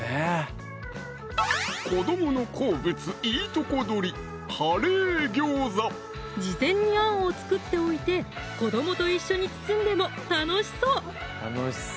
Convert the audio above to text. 子どもの好物いいとこ取り事前にあんを作っておいて子どもと一緒に包んでも楽しそう！